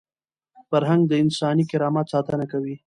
فرهنګ د انساني کرامت ساتنه کوي.